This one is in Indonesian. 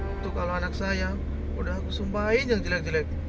itu kalau anak saya udah sumpahin yang jelek jelek